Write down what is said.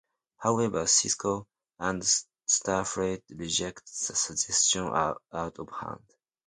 However, Sisko and Starfleet reject the suggestion out of hand.